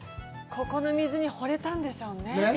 ここの水にほれたんでしょうね。